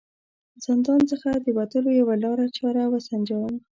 زندان څخه د وتلو یوه لاره چاره و سنجوم.